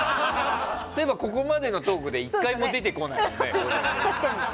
そういえば、ここまでのトークで１回も出てきてないよね。